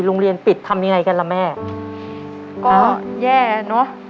โรงเรียนปิดทำยังไงกันล่ะแม่ก็แย่เนอะ